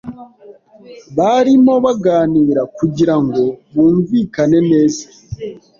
Barimo baganira kugirango bumvikane neza.